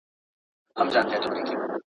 مسلمانان له يو بل سره د ورورولۍ ژوند کوي.